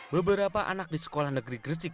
beberapa anak di sekolah negeri gresik